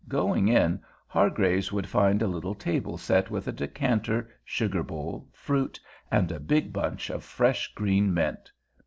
Going in, Hargraves would find a little table set with a decanter, sugar bowl, fruit, and a big bunch of fresh green mint.